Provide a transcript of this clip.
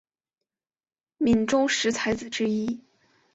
闽中十才子之一。